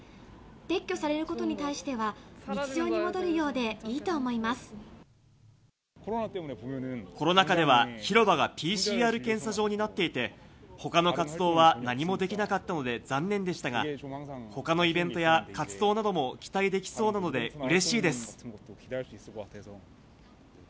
撤去されることに対しては、コロナ禍では、広場がＰＣＲ検査場になっていて、ほかの活動は何もできなかったので残念でしたが、ほかのイベントや活動なども期待できそうなのでうれしいです。